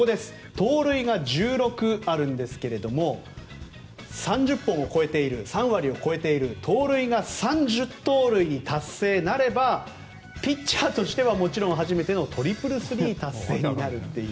盗塁が１６あるんですが３０本を超えている３割を超えている盗塁が３０盗塁に達成なればピッチャーとしてはもちろん初めてのトリプルスリー達成になるという。